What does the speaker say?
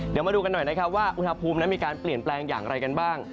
เดี๋ยวมาดูกันหน่อยนะครับว่าอุณหภูมินั้นมีการเปลี่ยนแปลงอย่างไรกันบ้าง